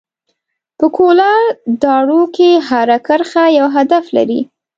په کولر ډراو کې هره کرښه یو هدف لري.